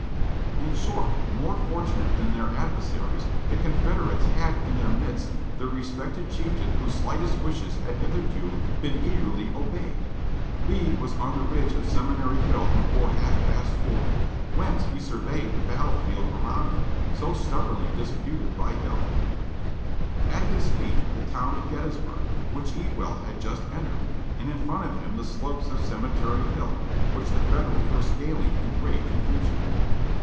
In short, more fortunate than their adversaries, the Confederates had in their midst the respected chieftain whose slightest wishes had hitherto been eagerly obeyed. Lee was on the ridge of Seminary Hill before half past four, whence he surveyed the bat tle field around him so stubbornly disputed by Hill — at his feet the town of Gettysburg, wdiich Ewell had just entered, and in front of him the slopes of Cemetery Hill, w hich the Federals were scaling in great confusion.